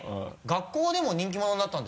学校でも人気者になった？